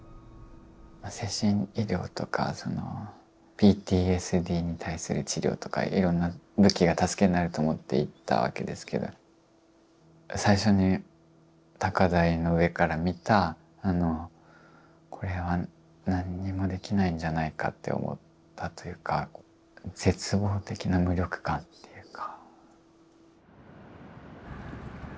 精神医療とかＰＴＳＤに対する治療とかいろんな武器が助けになると思って行ったわけですけど最初に高台の上から見たこれは何もできないんじゃないかと思ったというか絶望的な無力感というか。